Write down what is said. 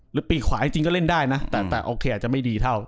ปีกขวาจริงก็เล่นได้นะแต่โอเคอาจจะไม่ดีเท่า